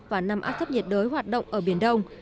và năm áp thấp nhiệt đới hoạt động ở biển đông